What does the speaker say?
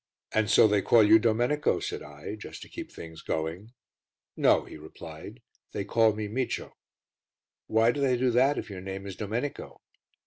"And so they call you Domenico," said I, just to keep things going. "No," he replied, "they call me Micio." "Why do they do that if your name is Domenico?"